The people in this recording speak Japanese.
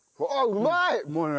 うまいね。